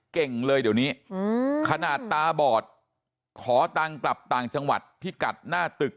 เก่งเลยเดี๋ยวนี้ขนาดตาบอดขอตังค์กลับต่างจังหวัดพิกัดหน้าตึก